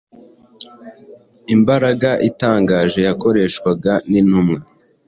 imbaraga itangaje yakoreshwaga n’intumwa